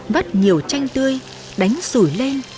vắt nhiều chanh tươi đánh sủi lên